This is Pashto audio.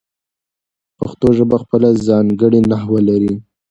پښتو ژبه خپله ځانګړې نحو لري.